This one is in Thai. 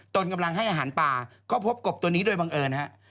ตนกำลังให้อาหารป่าก็พบกบตัวนี้โดยบังเอิญฮะ